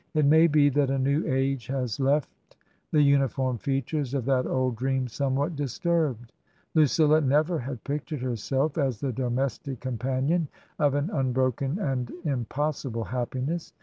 It may be that a new age has left the uniform features of that old dream somewhat disturbed. Lucilla never had pictured herself as the domestic com panion of an unbroken and impossible happiness.